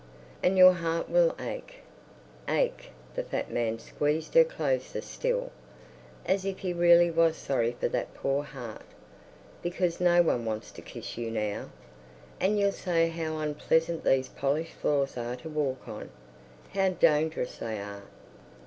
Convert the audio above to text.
And your heart will ache, ache"—the fat man squeezed her closer still, as if he really was sorry for that poor heart—"because no one wants to kiss you now. And you'll say how unpleasant these polished floors are to walk on, how dangerous they are.